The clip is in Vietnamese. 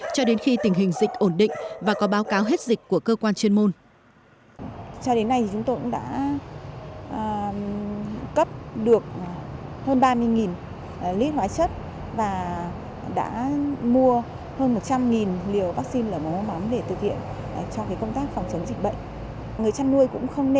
cho đến khi tình hình dịch ổn định và có báo cáo hết dịch của cơ quan chuyên môn